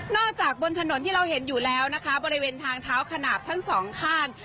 จากบนถนนที่เราเห็นอยู่แล้วนะคะบริเวณทางเท้าขนาดทั้งสองข้าง